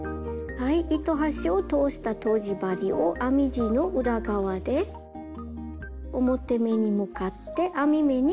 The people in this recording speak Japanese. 糸端を通したとじ針を編み地の裏側で表目に向かって編み目にくぐらせます。